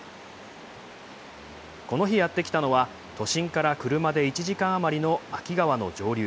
この日やってきたのは都心から車で１時間あまりの秋川の上流。